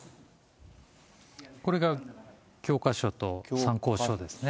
これが教科書と参考書ですね。